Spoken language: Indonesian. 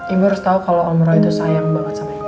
ibu harus tahu kalau om roh itu sayang banget sama ibu